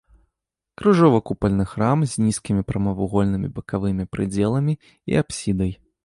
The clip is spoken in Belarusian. Крыжова-купальны храм з нізкімі прамавугольнымі бакавымі прыдзеламі і апсідай.